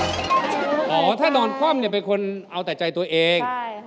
น้ำถ้านอนคว่ำเป็นคนเอาแต่ใจตัวเอง